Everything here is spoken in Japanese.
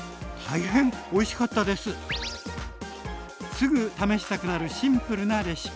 すぐ試したくなるシンプルなレシピ。